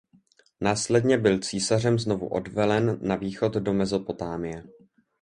Následně byl císařem znovu odvelen na východ do Mezopotámie.